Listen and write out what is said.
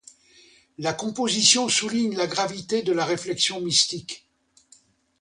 La composition souligne la gravité de la réflexion mystique.